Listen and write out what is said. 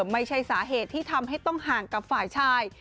ไม่ใช่สาเหตุที่ทำให้ต้องห่างกับฝ่ายชาย